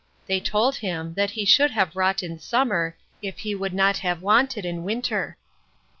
They told him, That he should have wrought in summer, if he would not have wanted in winter.